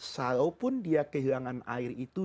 walaupun dia kehilangan air itu